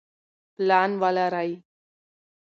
پلان ولرئ.